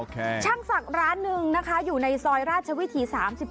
ช่างศักดิ์ร้านหนึ่งนะคะอยู่ในซอยราชวิถี๓๔